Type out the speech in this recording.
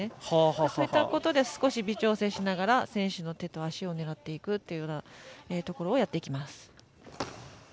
そういったことを少し微調整しながら選手の手と足を狙っていくというようなところをやっていきます。